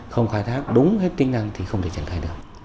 không khai thác đúng hết tính năng thì không thể triển khai được